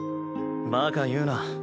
バカ言うな。